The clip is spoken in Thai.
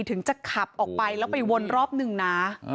ถึงจะขับออกไปแล้วไปวนรอบหนึ่งนะ